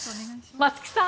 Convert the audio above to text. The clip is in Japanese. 松木さん